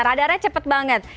radarnya cepat banget